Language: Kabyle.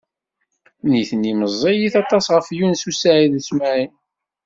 Nitni meẓẓiyit aṭas ɣef Yunes u Saɛid u Smaɛil.